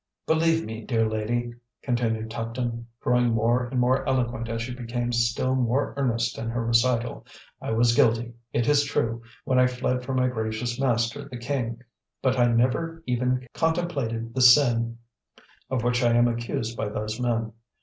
"Believe me, dear lady," continued Tuptim, growing more and more eloquent as she became still more earnest in her recital. "I was guilty, it is true, when I fled from my gracious master, the king, but I never even contemplated the sin of which I am accused by those men.